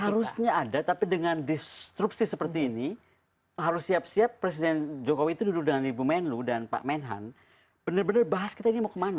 harusnya ada tapi dengan distruksi seperti ini harus siap siap presiden jokowi itu duduk dengan ibu menlu dan pak menhan benar benar bahas kita ini mau kemana